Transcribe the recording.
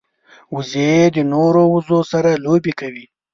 وزې د نورو وزو سره لوبې کوي